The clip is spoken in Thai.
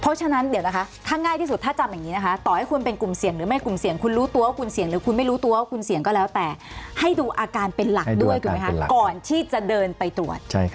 เพราะฉะนั้นเดี๋ยวนะคะถ้าง่ายที่สุดถ้าจำอย่างนี้นะคะต่อให้คุณเป็นกลุ่มเสี่ยงหรือไม่กลุ่มเสี่ยงคุณรู้ตัวว่าคุณเสี่ยงหรือคุณไม่รู้ตัวว่าคุณเสี่ยงก็แล้วแต่ให้ดูอาการเป็นหลักด้วยถูกไหมคะก่อนที่จะเดินไปตรวจ